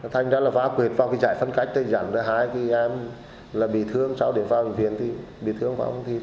thành ra là va quyệt vào cái trại phân cách giảm rồi hai em bị thương sau đó vào bệnh viện thì bị thương phải không